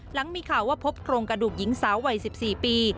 หลังมีข่าวว่าพบโครงกระดูกหญิงสาววัย๑๔ปี